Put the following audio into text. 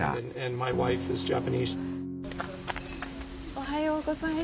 おはようございます。